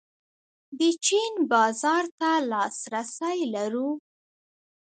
د چین بازار ته لاسرسی لرو؟